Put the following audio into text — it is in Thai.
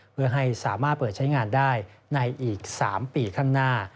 เพื่อให้สามารถเปิดใช้งานได้ในอีก๓ปีข้างหน้า